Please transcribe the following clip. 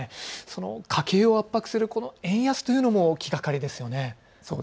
その家計を圧迫する円安というのも気がかりですよね。